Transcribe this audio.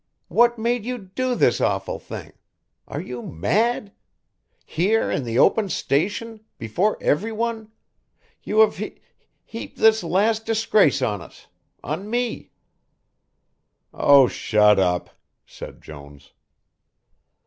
What made you do this awful thing? Are you mad? Here in the open station before everyone you have h h heaped this last disgrace on us on me." "Oh, shut up," said Jones.